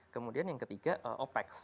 kemudian yang ketiga opex